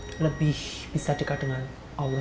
untuk lebih bisa dekat dengan allah